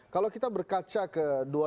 kalau kita berkaca ke dua ribu empat belas